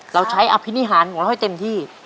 เราใช้อภินิหารของเราให้เต็มที่